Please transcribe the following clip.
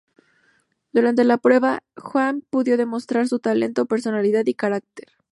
Durante la prueba, Joakim pudo demostrar su talento, personalidad y carácter.